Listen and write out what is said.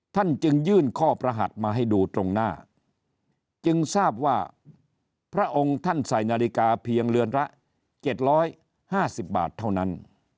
ท่านจึงยื่นข้อประหัสมาให้ดูตรงหน้าจึงทราบว่าพระองค์ท่านใส่นาฬิกาเพียงเรือนละ๗๕๐บาทเท่านั้น